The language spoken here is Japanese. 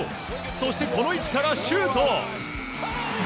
そして、この位置からシュート！